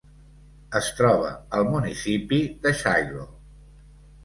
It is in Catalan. Es troba al municipi de Shiloh.